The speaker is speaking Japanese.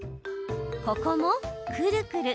ここも、くるくる。